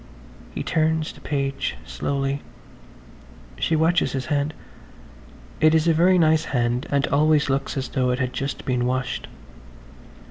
He turns the page slowly. She watches his hand–it is a very nice hand and always looks as though it had just been washed.